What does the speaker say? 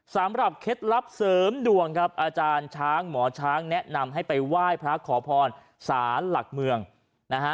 เคล็ดลับเสริมดวงครับอาจารย์ช้างหมอช้างแนะนำให้ไปไหว้พระขอพรศาลหลักเมืองนะฮะ